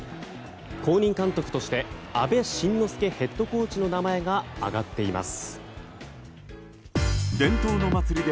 後任監督として阿部慎之助ヘッドコーチの名前が挙がっています。